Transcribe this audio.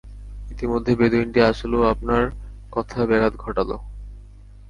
ইতিমধ্যে বেদুঈনটি আসল ও আপনার কথায় ব্যাঘাত ঘটাল।